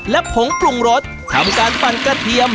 และผงปรุงรสทำการปั่นกระเทียม